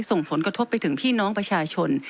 ส่งผลกระทบไปถึงพี่น้องประชาชน